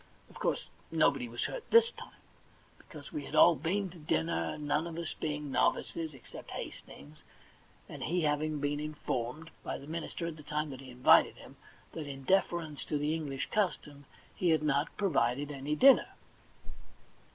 Of course nobody was hurt this time, because we had all been to dinner, none of us being novices except Hastings, and he having been in formed by the minister at the time that he invited him that in deference to the English custom he had not provided any dinner.